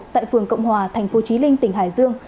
tại phường cộng hòa tp chí linh tỉnh hải dương